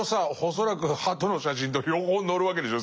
恐らく鳩の写真と両方載るわけでしょ